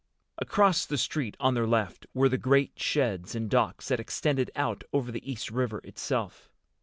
Across the street, on their left, were the great sheds and docks that extended out over the East River itself.